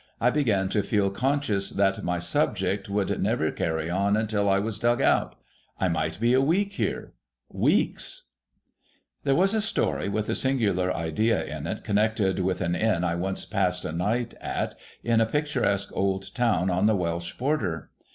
I began to feel conscious that my subject would never carry on until I was dug out. I might be a week here, — weeks ! There was a story wuth a singular idea in it, connected with an Inn I once passed a night at in a picturesque old town on the Welsh border.